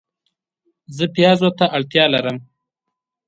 زه پیازو ته اړتیا لرم